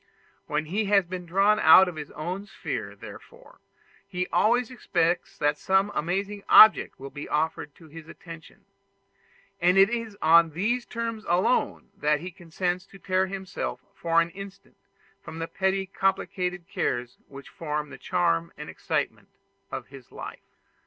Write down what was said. When he has been drawn out of his own sphere, therefore, he always expects that some amazing object will be offered to his attention; and it is on these terms alone that he consents to tear himself for an instant from the petty complicated cares which form the charm and the excitement of his life.